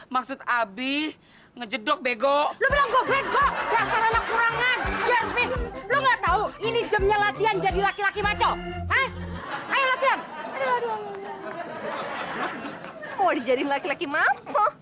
mau dijadiin laki laki mampu